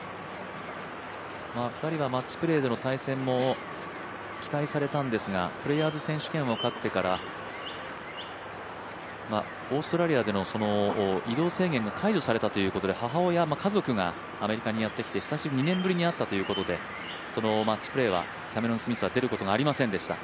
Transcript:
２人はマッチプレーでの対戦は期待されたんですが、プレーヤーズ選手権を勝ってからオーストラリアでの移動制限が解除されたということで母親、家族がアメリカにやってきて２年ぶりに会ったということでマッチプレーはキャメロン・スミスは出ることがありませんでした。